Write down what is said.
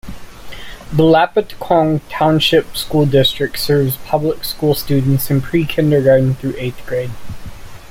The Lopatcong Township School District serves public school students in pre-kindergarten through eighth grade.